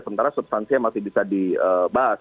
sementara substansinya masih bisa dibahas